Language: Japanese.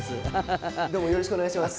よろしくお願いします。